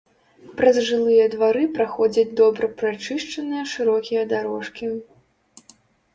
Праз жылыя двары праходзяць добра прачышчаныя шырокія дарожкі.